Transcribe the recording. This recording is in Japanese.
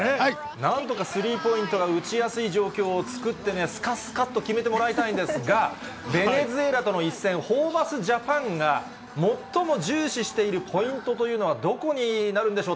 なんとかスリーポイントが打ちやすい状況を作ってね、すかすかっと決めてもらいたいんですが、ベネズエラとの一戦、ホーバスジャパンが最も重視しているポイントというのは、どこになるんでしょう？